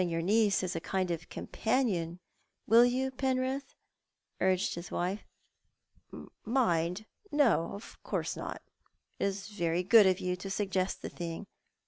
yonr niece as <a kind of com panion, will you, Penrith?" urc:ed his wife. " Mind ? No, of course not. It is very good of you to suggest the thing.